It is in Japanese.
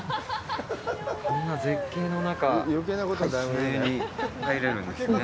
こんな絶景の中、砂湯に入れるんですね。